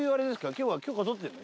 今日は許可取ってんの？